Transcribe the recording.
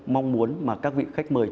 mong muốn mà các vị khách mời